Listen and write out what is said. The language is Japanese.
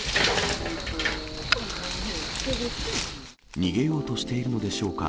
逃げようとしているのでしょうか。